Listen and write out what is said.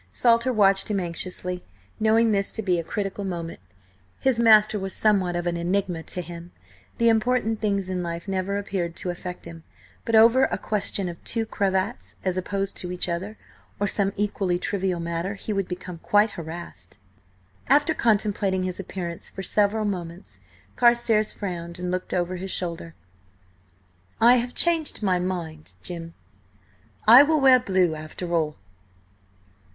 Salter watched him anxiously, knowing this to be a critical moment. His master was somewhat of an enigma to him; the important things in life never appeared to affect him, but over a question of two cravats as opposed to each other, or some equally trivial matter, he would become quite harassed. After contemplating his appearance for several moments, Carstares frowned and looked over his shoulder. "I have changed my mind, Jim. I will wear blue after all."